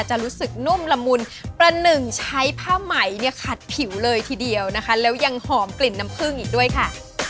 จะรู้สึกนุ่มละมุนประหนึ่งใช้ผ้าไหมเนี่ยขัดผิวเลยทีเดียวนะคะแล้วยังหอมกลิ่นน้ำผึ้งอีกด้วยค่ะ